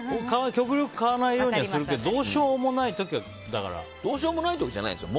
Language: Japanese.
極力買わないようにはするけどどうしようもない時は、だから。どうしようもない時じゃないですよ。